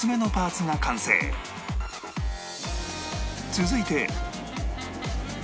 続いて